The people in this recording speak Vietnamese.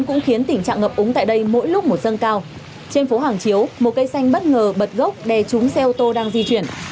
trên phố hàng chiếu một cây xanh bất ngờ bật gốc đè trúng xe ô tô đang di chuyển